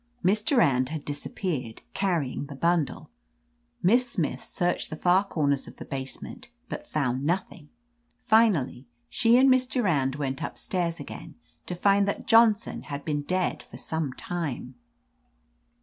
"Miss Durand had disappeared, carrying the bundle. Miss Smith searched the far comers of the basement, but found nothing. Finally, she and Miss Durand went up stairs again, to find that Johnson had been dead for some time.